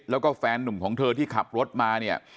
แล้วก็แฟนนุ่มของเธอที่ขับรถมาเนี่ย